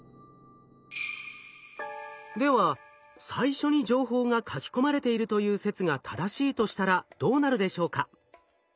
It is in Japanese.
では最初に情報が書き込まれているという説が正しいとしたらどうなるでしょうか？